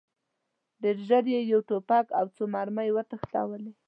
ډېر ژر یې یو توپک او څو مرمۍ وتښتولې.